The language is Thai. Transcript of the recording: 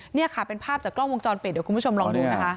นี่ค่ะเป็นภาพจากกล้องวงจรปิดเดี๋ยวคุณผู้ชมลองดูนะคะ